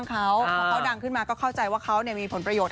พอเขาดังขึ้นมาก็เข้าใจว่าเขามีผลประโยชน